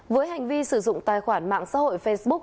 với hành vi sử dụng tài khoản mạng xã hội facebook